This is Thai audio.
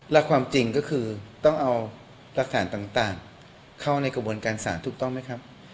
และความจริงก็คือต้องเอาหลักฐานต่างเข้าในกระบวนการสารถูกต้องไหมครับ